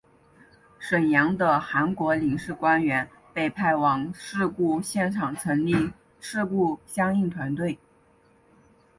沈阳的韩国领事官员被派往事故现场成立事故相应团队。